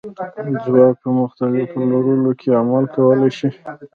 ځواک په مختلفو لورو کې عمل کولی شي.